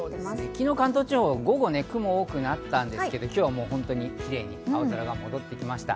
昨日、関東地方、午後雲が多くなったんですが、今日は本当にキレイに青空が戻ってきました。